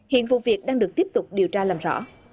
hiện vụ việc đang được tiếp tục điều tra làm rõ